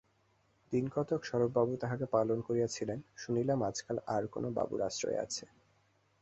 দিনকতক স্বরূপবাবু তাহাকে পালন করিয়াছিলেন, শুনিলাম আজকাল আর কোনো বাবুর আশ্রয়ে আছে।